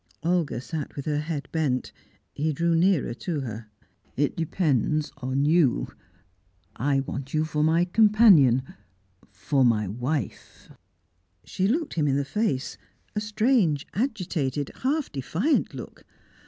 Olga sat with her head bent. He drew nearer to her. "It depends upon you. I want you for my companion for my wife " She looked him in the face a strange, agitated, half defiant look.